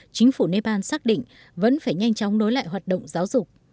chính phủ nepal xác định vẫn phải nhanh chóng nối lại hoạt động giáo dục